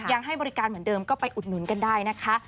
ยังให้บริการเหมือนเดิมก็ไปอุดหนุนกันได้นะคะ